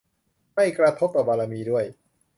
ไม่กระทบต่อบารมีด้วย !